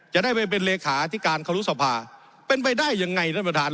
จะได้ไปเป็นเลขาที่การครุสภาเป็นไปได้ยังไงท่านประธาน